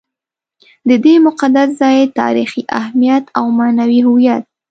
د دې مقدس ځای تاریخي اهمیت او معنوي هویت.